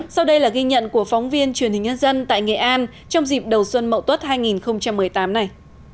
sau đây là ghi nhận của phóng viên truyền hình nhân dân tại nghệ an trong dịp đầu xuân mậu tuất hai nghìn một mươi tám này